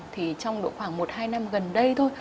thì trong độ khoảng một hai năm gần đây thôi